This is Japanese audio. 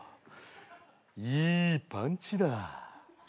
いいパンチだ。